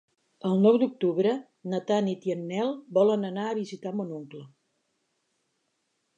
El nou d'octubre na Tanit i en Nel volen anar a visitar mon oncle.